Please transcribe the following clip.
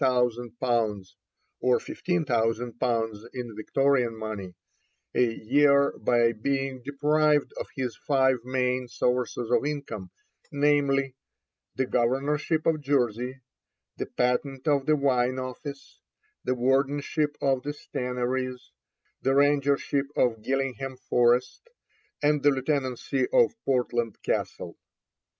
_ (or 15,000_l._ in Victorian money) a year by being deprived of his five main sources of income, namely the Governorship of Jersey, the Patent of the Wine Office, the Wardenship of the Stannaries, the Rangership of Gillingham Forest, and the Lieutenancy of Portland Castle.